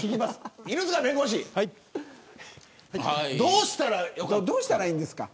犬塚弁護士どうしたらいいんですか。